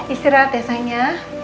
istirahat ya sayang ya